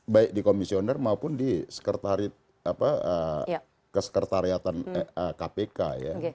baik di komisioner maupun di kesekretariatan kpk ya